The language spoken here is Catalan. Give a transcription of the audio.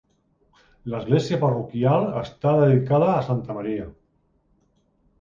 L'església parroquial està dedicada a Santa Maria.